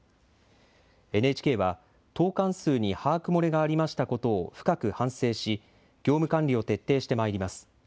ＮＨＫは投かん数に把握漏れがありましたことを深く反省し業務管理を徹底してまいります。